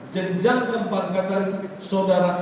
jenjang pembangkatan sodara